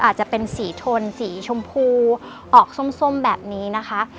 อาจจะเป็นสีทนสีชมพูออกส้มแบบนี้นะคะ